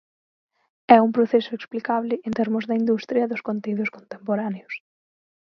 É un proceso explicable en termos da industria dos contidos contemporáneos.